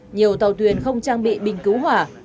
nhiều tàu thuyền không trang bị bình cứu hỏa